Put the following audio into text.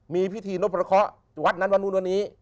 มีพิธีนพพระเคาะวัดนั้นวันนู้นวันนี้